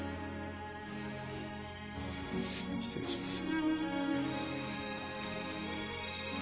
失礼します。